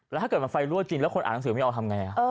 แล้วถ้าเกิดมันไฟรั่วจริงแล้วคนอ่านหนังสือไม่เอาทำไง